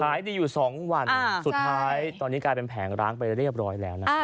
ขายดีอยู่๒วันสุดท้ายตอนนี้กลายเป็นแผงร้างไปเรียบร้อยแล้วนะครับ